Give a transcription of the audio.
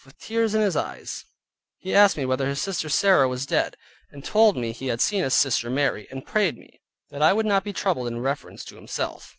With tears in his eyes, he asked me whether his sister Sarah was dead; and told me he had seen his sister Mary; and prayed me, that I would not be troubled in reference to himself.